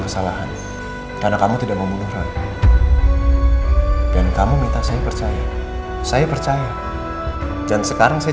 kesalahan karena kamu tidak membunuh orang dan kamu minta saya percaya saya percaya dan sekarang saya